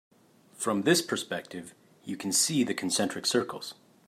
From this perspective you can see the concentric circles.